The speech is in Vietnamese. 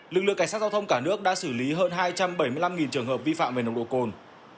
lực lượng cảnh sát giao thông cả nước đã xử lý hơn hai trăm bảy mươi năm trường hợp vi phạm về nồng độ cồn